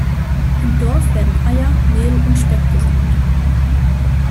Im Dorf werden Eier, Mehl und Speck gesammelt.